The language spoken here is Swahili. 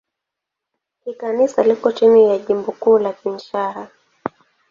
Kikanisa liko chini ya Jimbo Kuu la Kinshasa.